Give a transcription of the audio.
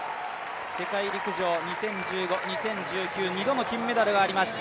世界陸上２０１５、２０１９２度の金メダルがあります。